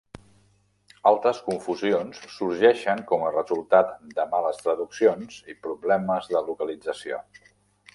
Altres confusions sorgeixen com a resultat de males traduccions i problemes de localització.